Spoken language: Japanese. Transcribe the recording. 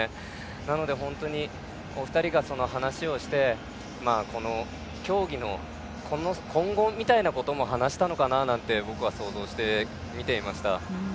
なので、お二人が競技の今後みたいなことも話したのかなと僕は想像して見ていました。